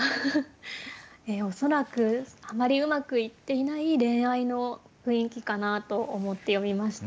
恐らくあまりうまくいっていない恋愛の雰囲気かなと思って読みました。